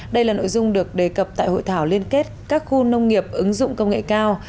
đây là nội dung được đề cập tại hội thảo liên kết các khu nông nghiệp ứng dụng công nghệ cao